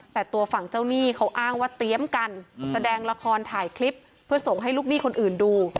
แต่ตัวฝั่งเจ้าหนี้เขาอ้างว่าเตรียมกันแสดงละครถ่ายคลิปเพื่อส่งให้ลูกหนี้คนอื่นดู